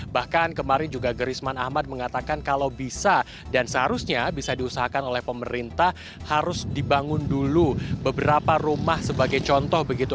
bahkan kemarin juga gerisman ahmad mengatakan kalau bisa dan seharusnya bisa diusahakan oleh pemerintah harus dibangun dulu beberapa rumah sebagai contoh begitu